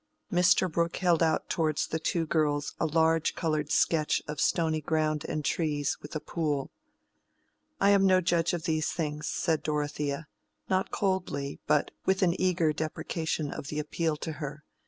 Mr. Brooke held out towards the two girls a large colored sketch of stony ground and trees, with a pool. "I am no judge of these things," said Dorothea, not coldly, but with an eager deprecation of the appeal to her.